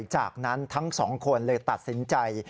จากนั้นทั้งสองคนเลยตัดสินใจ